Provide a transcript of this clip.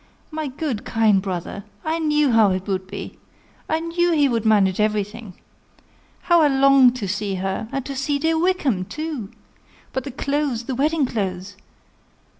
My good, kind brother! I knew how it would be I knew he would manage everything. How I long to see her! and to see dear Wickham too! But the clothes, the wedding clothes!